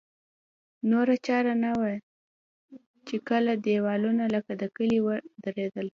نوره چاره نه وه چې کاله دېوالونه لکه د کلي ودرېدل.